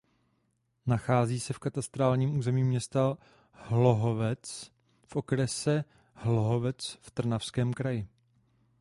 Nachází se v katastrálním území města Hlohovec v okrese Hlohovec v Trnavském kraji.